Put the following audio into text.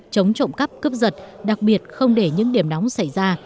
chống trộm cắp cướp giật đặc biệt không để những điểm nóng xảy ra